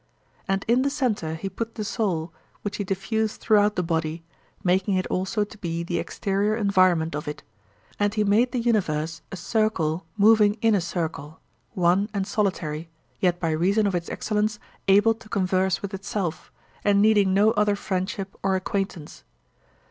And in the centre he put the soul, which he diffused throughout the body, making it also to be the exterior environment of it; and he made the universe a circle moving in a circle, one and solitary, yet by reason of its excellence able to converse with itself, and needing no other friendship or acquaintance.